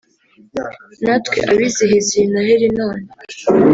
natwe abizihiza iyi Noheli none